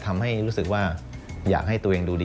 กระแสรักสุขภาพและการก้าวขัด